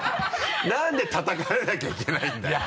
何でたたかれなきゃいけないんだよ。